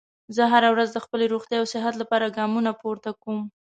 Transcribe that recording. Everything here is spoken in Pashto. زه هره ورځ د خپلې روغتیا او صحت لپاره ګامونه پورته کوم